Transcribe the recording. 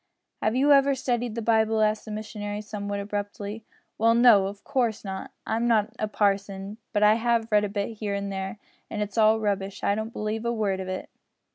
"Have you ever studied the Bible?" asked the missionary, somewhat abruptly. "Well, no, of course not. I'm not a parson, but I have read a bit here and there, an' it's all rubbish. I don't believe a word of it."